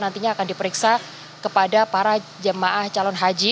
nantinya akan diperiksa kepada para jemaah calon haji